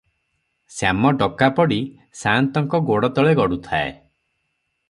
ଶ୍ୟାମ ଡକାପଡ଼ି ସାଆନ୍ତଙ୍କ ଗୋଡ଼ତଳେ ଗଡୁଥାଏ ।